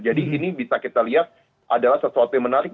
jadi ini bisa kita lihat adalah sesuatu yang menarik